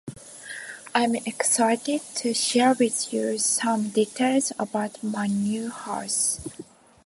I am excited to share with you some details about my new house.